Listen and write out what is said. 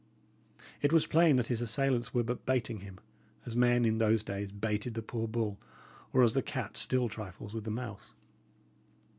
It was plain that his assailants were but baiting him, as men, in those days, baited the poor bull, or as the cat still trifles with the mouse.